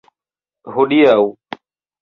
Hodiaŭ.